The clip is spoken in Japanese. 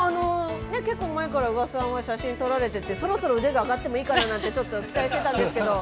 ◆結構前から宇賀さんは写真を撮られてて、そろそろ腕が上がってもいいかななんて、ちょっと期待してたんですけど。